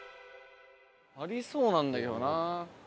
ありそうなんだけどな。